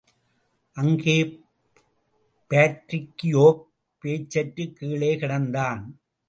அங்கே பாட்ரிக்கியோக் பேச்சற்றுக் கீழே கிடந்தான்.